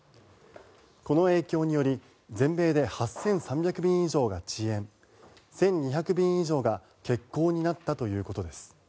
この影響により全米で８３００便以上が遅延１２００便以上が欠航になったということです。